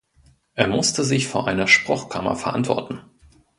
Er musste sich vor einer Spruchkammer verantworten.